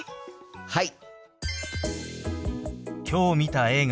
はい！